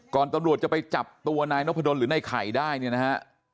ตำรวจจะไปจับตัวนายนพดลหรือในไข่ได้เนี่ยนะฮะ